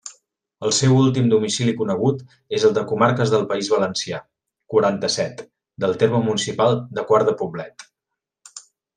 El seu últim domicili conegut és el de Comarques del País Valencià, quaranta-set, del terme municipal de Quart de Poblet.